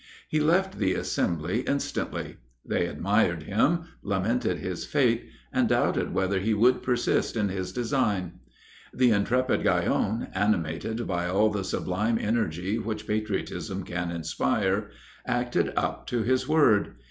He left the assembly instantly. They admired him, lamented his fate, and doubted whether he would persist in his design. The intrepid Guyon, animated by all the sublime energy which patriotism can inspire, acted up to his word.